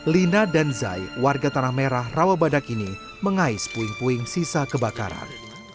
lina dan zai warga tanah merah rawabadak ini mengais puing puing sisa kebakaran